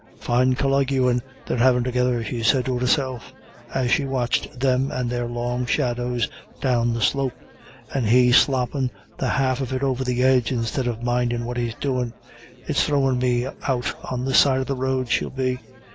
"Fine colloguin' they're havin' together," she said to herself as she watched them and their long shadows down the slope, "and he sloppin' the half of it over the edge instead of mindin' what he's doin'. It's throwin' me out on the side of the road she'll be."